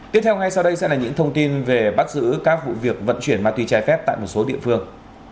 tiếp theo ngay sau đây sẽ là những thông tin về bắt giữ các vụ việc vận chuyển ma túy trái phép tại một số địa phương